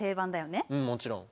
うんもちろん。